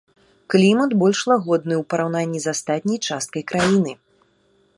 Клімат больш лагодны ў параўнанні з астатняй часткай краіны.